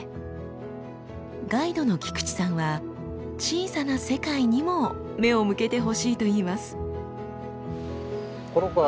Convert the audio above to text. ガイドの菊池さんは小さな世界にも目を向けてほしいと言います。